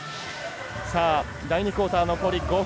第２クオーター、残り５分。